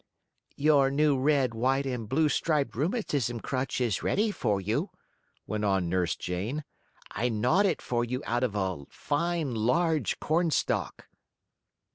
"Your new red, white and blue striped rheumatism crutch is ready for you," went on Nurse Jane. "I gnawed it for you out of a fine large corn stalk."